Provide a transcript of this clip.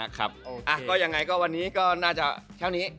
ก็ยังไงก็วันนี้ก็น่าจะเท่านี้